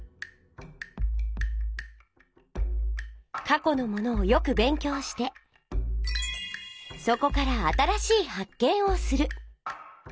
「かこのものをよくべん強してそこから新しいはっ見をする」。